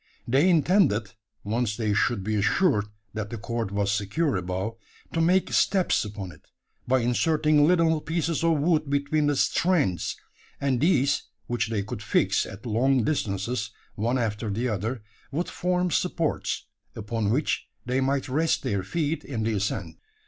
They intended once they should be assured that the cord was secure above to make steps upon it, by inserting little pieces of wood between the "strands;" and these, which they could fix at long distances, one after the other, would form supports, upon which they might rest their feet in the ascent.